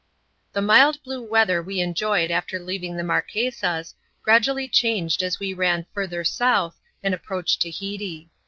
The mild blue weather we enjoyed after leaving the Mar quesas, gradually changed as we ran farther south and approached Tahiti.